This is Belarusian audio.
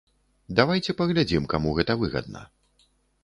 Давайце паглядзім, каму гэта выгадна.